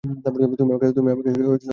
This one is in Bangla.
তুমি আমাকে ভালোবাসো?